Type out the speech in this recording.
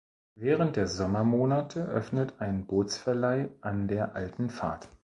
Während der Sommermonate öffnet ein Bootsverleih an der Alten Fahrt.